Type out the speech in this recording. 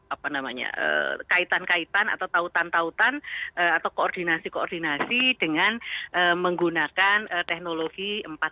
apa namanya kaitan kaitan atau tautan tautan atau koordinasi koordinasi dengan menggunakan teknologi empat